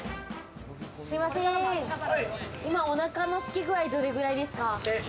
すいません、今、おなかのすき具合どれくらいですか？